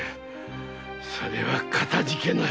それはかたじけない。